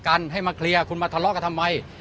กันให้มาเคลียร์คุณมาทะเลาะกันทำไม